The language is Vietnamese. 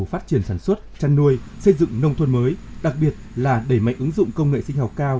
phát triển sản xuất chăn nuôi xây dựng nông thôn mới đặc biệt là đẩy mạnh ứng dụng công nghệ sinh học cao